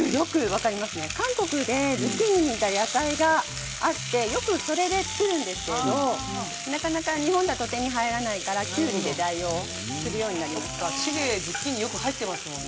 韓国はズッキーニに似た野菜があってそれで作るんですけどなかなか日本だと手に入らないのできゅうりで代用しています。